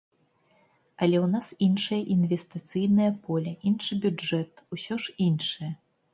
Але ў нас іншае інвестыцыйнае поле, іншы бюджэт, усё ж іншае!